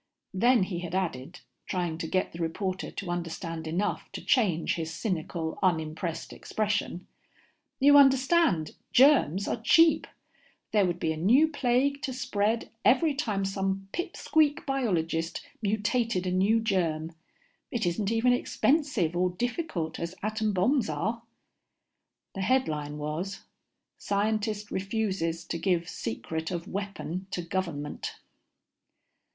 Then he had added, trying to get the reporter to understand enough to change his cynical unimpressed expression, "You understand, germs are cheap there would be a new plague to spread every time some pipsqueak biologist mutated a new germ. It isn't even expensive or difficult, as atom bombs are." The headline was: "Scientist Refuses to Give Secret of Weapon to Government."